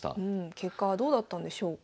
結果はどうだったんでしょうか。